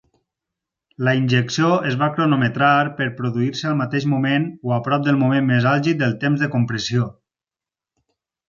La injecció es va cronometrar per produir-se al mateix moment o a prop del moment més àlgid del temps de compressió.